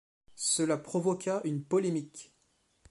Cela provoqua une polémique.